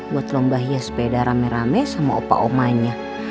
buat lombahnya sepeda rame rame sama opa omanya